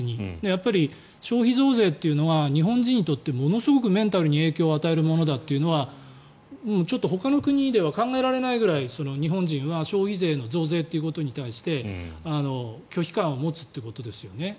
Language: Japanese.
やっぱり消費増税というのは日本人にとってものすごいメンタルに影響を与えるものだというのはちょっとほかの国では考えられないぐらい日本人は消費税の増税ということに対して拒否感を持つということですよね。